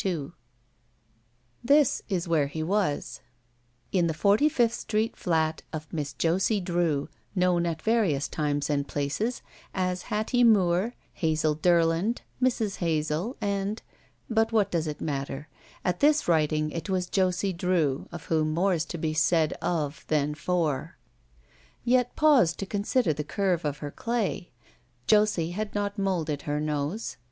'' 11 This is where he was: In the Forty fifth Street flat of Miss Josie Drew, known at various times and places as Hattie Moore, Hazel Derland, Mrs. Hazel, and — But what doe$ it matter. ?42 ROULETTE At this writing it was Josie Drew of whom more is to be said of than for. Yet pause to consider the curve of her clay. Josie had not molded her nose.